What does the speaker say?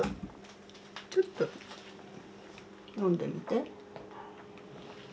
ちょっと飲んでみて。